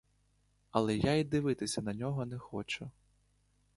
Але я й дивитися на нього не хочу.